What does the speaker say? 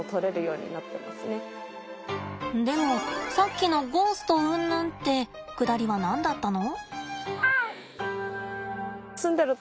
でもさっきのゴーストうんぬんってくだりは何だったの？